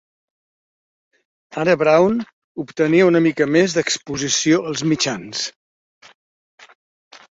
Ara Brown obtenia una mica més d'exposició als mitjans.